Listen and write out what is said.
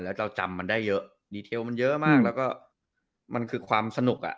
แล้วเราจำมันได้เยอะดีเทลมันเยอะมากแล้วก็มันคือความสนุกอ่ะ